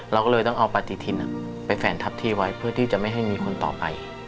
เราก็เลยต้องเอาปฏิทินไปแฝนทับที่ไว้เพื่อที่จะไม่ให้มีคนต่อไป